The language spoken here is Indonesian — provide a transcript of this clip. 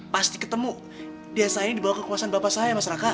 pasti ketemu dia saya ini dibawa kekuasaan bapak saya mas raka